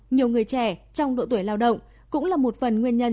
nhiều người trẻ trong độ tuổi lao động cũng là một phần nguyên nhân